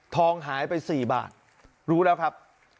หายไป๔บาทรู้แล้วครับ